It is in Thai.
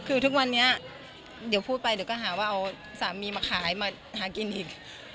คือทุกวันนี้เดี๋ยวพูดไปเดี๋ยวก็หาว่าเอาสามีมาขายมาหากินอีก